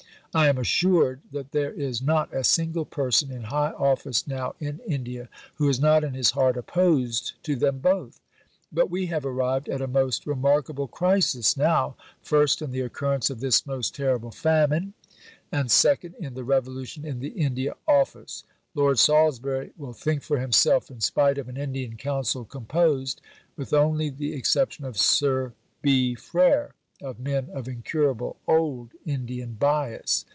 I am assured that there is not a single person in high office now in India who is not in his heart opposed to them both. But we have arrived at a most remarkable crisis now, first in the occurrence of this most terrible famine, and, second, in the revolution in the India Office. Lord Salisbury will think for himself in spite of an Indian Council composed with only the exception of Sir B. Frere of men of incurable old Indian bias."